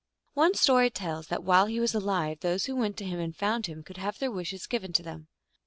One story tells that while he was alive those who went to him and found him could have their wishes given to them.